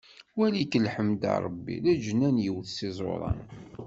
Wali-k lḥemd a Ṛebbi, leǧnan yewwet s iẓuran.